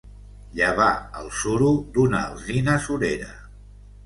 Llevar el suro d'una alzina surera.